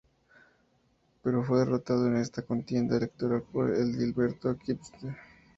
Pero fue derrotado en esta contienda electoral por Edilberto Quispe.